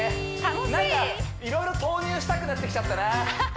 楽しいいろいろ投入したくなってきちゃったな